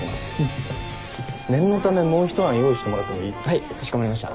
はいかしこまりました。